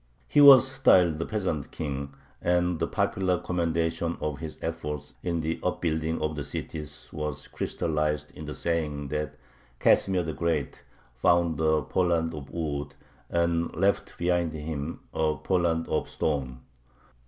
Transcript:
He was styled the "peasant king," and the popular commendation of his efforts in the upbuilding of the cities was crystallized in the saying that Casimir the Great "found a Poland of wood and left behind him a Poland of stone."